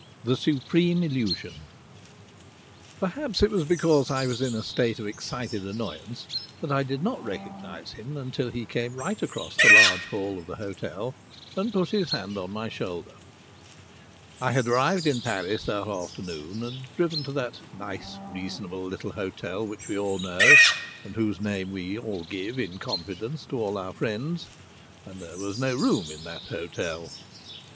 THE SUPREME ILLUSION I Perhaps it was because I was in a state of excited annoyance that I did not recognize him until he came right across the large hall of the hotel and put his hand on my shoulder. I had arrived in Paris that afternoon, and driven to that nice, reasonable little hotel which we all know, and whose name we all give in confidence to all our friends; and there was no room in that hotel.